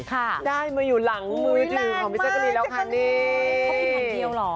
ค่ะได้มาอยู่หลังมือถือของพี่แจกรีนแล้วค่ะนี่เขากินคนเดียวเหรอ